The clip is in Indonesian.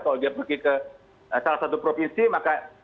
kalau dia pergi ke salah satu provinsi maka